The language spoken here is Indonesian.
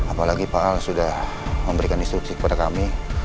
apalagi pak al sudah memberikan instruksi kepada kami